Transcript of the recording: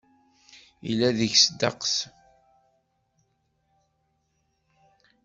Yella deg-s ddeqs.